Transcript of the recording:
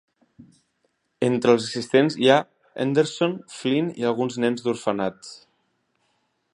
Entre els assistents hi ha Henderson, Flynn i alguns nens de orfenat.